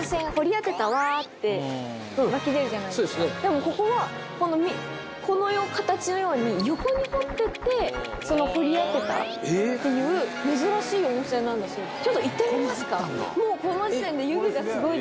でもここはこの形のように横に掘ってって掘り当てたっていう珍しい温泉なんだそうです。